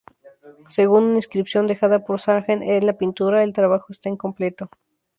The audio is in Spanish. Según una inscripción dejada por Sargent en la pintura, el trabajo está incompleto.